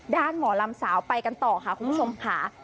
หมอลำสาวไปกันต่อค่ะคุณผู้ชมค่ะ